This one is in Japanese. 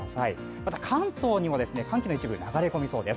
また、関東にも寒気の一部が流れ込みそうです。